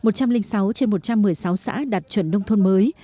một trăm linh sáu trên một trăm một mươi sáu xã đạt chuẩn nông thôn mới